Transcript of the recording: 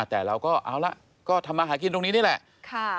แต่เราก็เอาละก็ทำมาหากินตรงนี้นี่แหละ